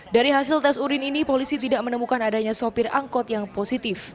dari hasil tes urin ini polisi tidak menemukan adanya sopir angkot yang positif